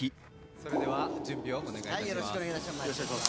それでは準備をお願いいたします